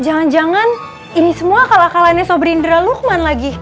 jangan jangan ini semua kalakalanya sobrindra lukman lagi